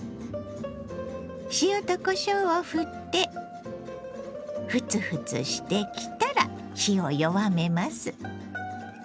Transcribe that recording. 塩とこしょうをふってフツフツしてきたら火を弱めます。